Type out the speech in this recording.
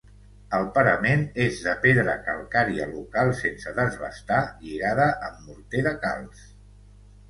El parament és de pedra calcària local sense desbastar lligada amb morter de calç.